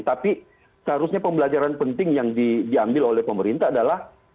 tapi seharusnya pembelajaran penting yang diambil oleh pemerintah adalah